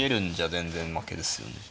全然負けですよね。